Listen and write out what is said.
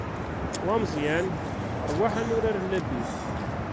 Wa Meẓyan, ṛwaḥ ad nurar labil!